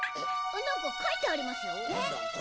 何か書いてありますよ。